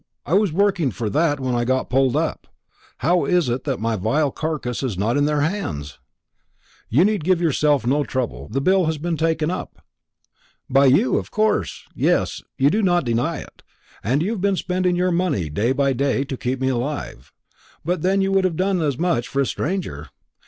I was working for that when I got pulled up. How is it that my vile carcass is not in their hands?" "You need give yourself no trouble; the bill has been taken up." "By you, of course? Yes; you do not deny it. And you have been spending your money day by day to keep me alive. But then you would have done as much for a stranger.